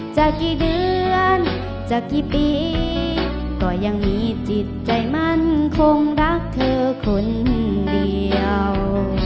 จะกี่เดือนจะกี่ปีก็ยังมีจิตใจมันคงรักเธอคนเดียว